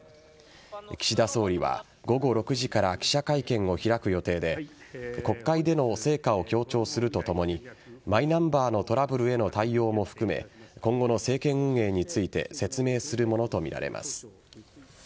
岸田総理は、午後６時から記者会見を開く予定で国会での成果を強調するとともにマイナンバーのトラブルへの対応も含め今後の政権運営について説明するものとみられます。